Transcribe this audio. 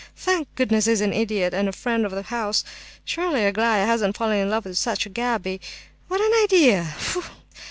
Thank goodness, he's an idiot, and a friend of the house! Surely Aglaya hasn't fallen in love with such a gaby! What an idea! Pfu!